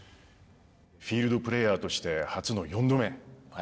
フィールドプレーヤーとして初の４度目。